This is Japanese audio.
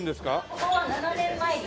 ここは７年前に。